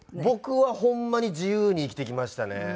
僕はほんまに自由に生きてきましたね。